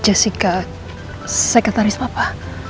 jessica sekretaris papa